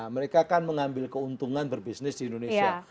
mereka kan mengambil keuntungan berbisnis di indonesia